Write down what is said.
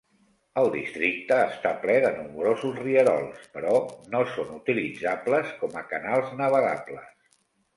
El districte està ple de nombrosos rierols, però no són utilitzables com a canals navegables.